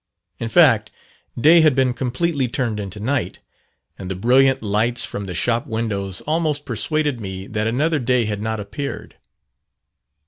In fact, day had been completely turned into night; and the brilliant lights from the shop windows almost persuaded me that another day had not appeared.